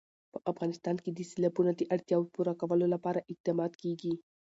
په افغانستان کې د سیلابونه د اړتیاوو پوره کولو لپاره اقدامات کېږي.